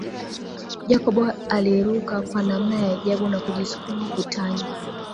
Jacob aliruka kwa namna ya ajabu na kujisukuma ukutani